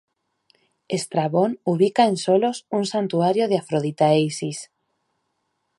Estrabón ubica en Solos un santuario de Afrodita e Isis.